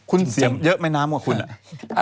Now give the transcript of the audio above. คุณเสียงเยอะไหมน้ำกว่าคุณ